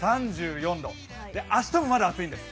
３４度、明日もまだ暑いんです。